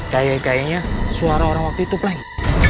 kayaknya suara orang waktu itu pleng